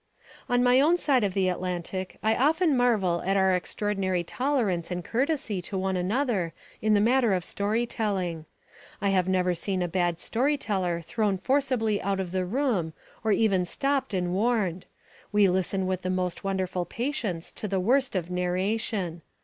On my own side of the Atlantic I often marvel at our extraordinary tolerance and courtesy to one another in the matter of story telling. I have never seen a bad story teller thrown forcibly out of the room or even stopped and warned; we listen with the most wonderful patience to the worst of narration.